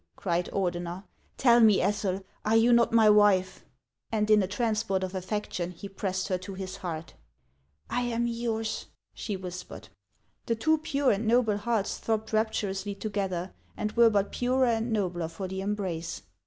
" cried Ordener ;" tell me, Ethel, are you not my HANS OF ICELAND. 59 wife ?" And in a transport of atlectiou he pressed her to his heart. " I am yours," she whispered. The two pure and noble hearts throbbed rapturously to gether, and were but purer and nobler for the embrace.